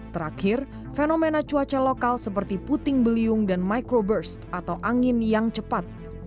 terakhir fenomena cuaca lokal seperti puting beliung dan microburst atau angin yang cepat